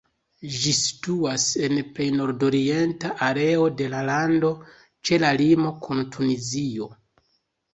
Ĝi situas en plej nordorienta areo de la lando, ĉe la limo kun Tunizio.